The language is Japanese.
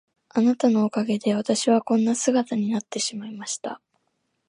あなたのおかげで私はこんな姿になってしまいました。